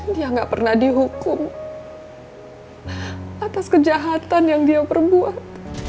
dia nggak pernah dihukum atas kejahatan yang dia perbuat